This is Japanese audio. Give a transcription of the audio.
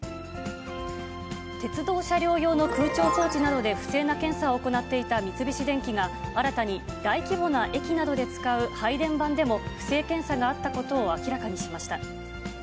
鉄道車両用の空調装置などで不正な検査を行っていた三菱電機が、新たに大規模な駅などで使う配電盤でも不正検査があったことを明らかにしました。